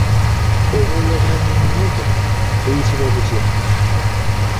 Obw'oya bw’omu nyindo buyitibwa butya?